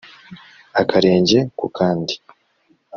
akarenge ku kandi